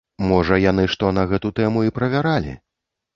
Можа яны што на гэту тэму і правяралі.